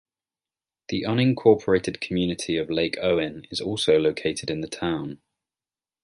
The unincorporated community of Lake Owen is also located in the town.